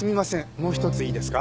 もう一ついいですか？